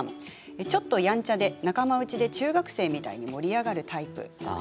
ちょっとやんちゃで仲間内で中学生みたいに盛り上がるタイプ。